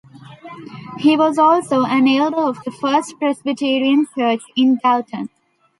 He was also an elder of the First Presbyterian Church in Dalton.